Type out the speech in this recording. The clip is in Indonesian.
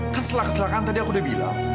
keselak keselakaan tadi aku udah bilang